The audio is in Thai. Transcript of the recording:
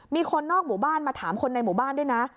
มีคนนอกหมู่บ้านมาถามคนในหมู่บ้านด้วยนะ